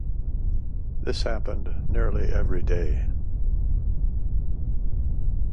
This happened nearly every day.